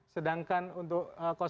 sedangkan untuk dua